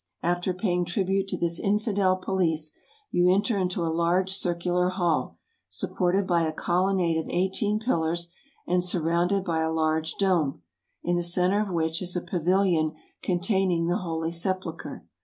After pay ing tribute to this infidel police, you enter into a large cir cular hall, supported by a colonnade of eighteen pillars, and surrounded by a large dome, in the center of which is a pavilion containing the Holy Sepulchre.